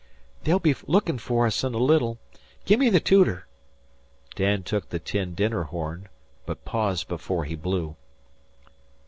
"They'll be lookin' fer us in a little. Gimme the tooter." Dan took the tin dinner horn, but paused before he blew.